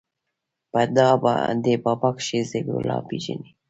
په ده بابا کښې ذبيح الله پېژنې.